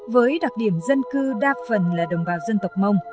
với đặc điểm dân cư đa phần là đồng bào dân tộc mông